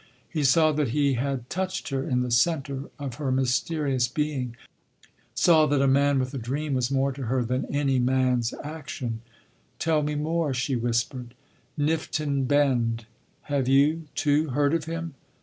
He saw that he had touched her in the center of her mysterious being—saw that a man with a dream was more to her than any man’s action. "Tell me more," she whispered. "Nifton Bend—have you, too, heard of him?"